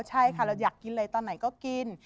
แล้วอยากกินอะไรตอนไหนก็กิน